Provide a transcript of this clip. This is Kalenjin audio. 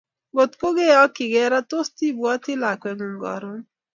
Ngotko keyochikei ra, tos tibwoti lakwengung Karon?